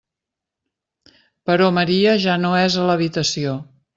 Però Maria ja no és a l'habitació.